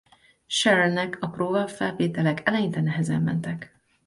Shearernek a próbafelvételek eleinte nehezen mentek.